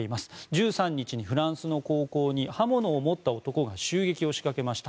１３日にフランスの高校に刃物を持った男が襲撃を仕掛けました。